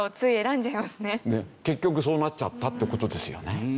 結局そうなっちゃったって事ですよね。